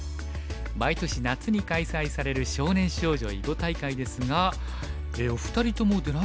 毎年夏に開催される少年少女囲碁大会ですがお二人とも出られたんですよね？